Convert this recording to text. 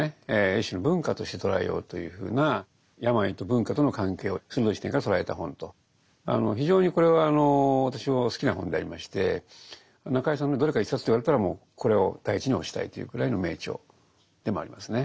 一種の文化として捉えようというふうな非常にこれは私も好きな本でありまして中井さんのどれか一冊と言われたらもうこれを第一に推したいというくらいの名著でもありますね。